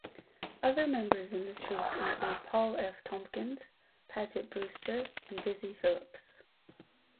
Other members in the troupe include Paul F. Tompkins, Paget Brewster and Busy Philipps.